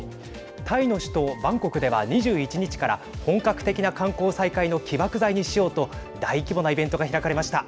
タイの首都バンコクでは２１日から本格的な観光再開の起爆剤にしようと大規模なイベントが開かれました。